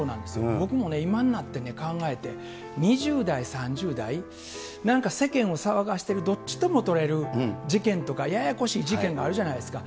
僕もね、今になってね、考えて２０代、３０代、なんか世間を騒がしてるどっちとも取れる事件とか、ややこしい事件があるじゃないですか。